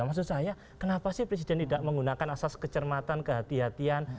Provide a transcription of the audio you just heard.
maksud saya kenapa sih presiden tidak menggunakan asas kecermatan kehatian